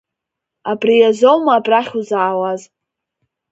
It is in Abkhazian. Абриазоума абрахь узаауаз…